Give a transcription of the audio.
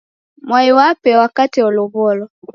Mwai wape wakate olow'olwa.